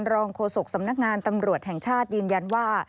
โฆษกสำนักงานตำรวจแห่งชาติยืนยันว่า